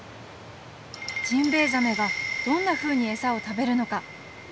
ジンベエザメがどんなふうに餌を食べるのか。